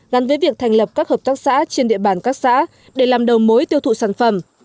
gắn với việc thành lập các hợp tác xã trên địa bàn các xã để làm đầu mối tiêu thụ sản phẩm